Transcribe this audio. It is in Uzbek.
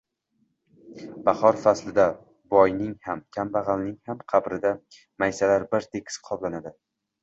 Bahor faslida boyning ham, kambag‘alning ham qabrida maysalar bir tekis qoplanadi.